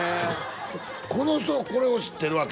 この人がこれを知ってるわけ？